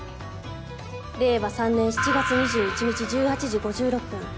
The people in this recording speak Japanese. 令和３年７月２１日１８時５６分。